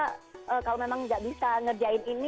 kalau memang gak bisa ngerjain ini